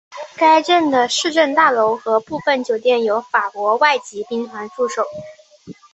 该镇的市政大楼和部分酒店有法国外籍兵团驻守。